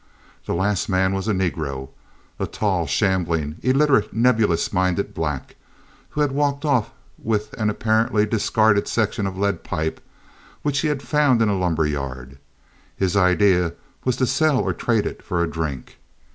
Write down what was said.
The last man was a negro, a tall, shambling, illiterate, nebulous minded black, who had walked off with an apparently discarded section of lead pipe which he had found in a lumber yard. His idea was to sell or trade it for a drink.